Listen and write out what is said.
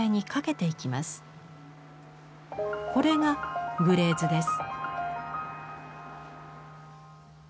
これがグレーズです。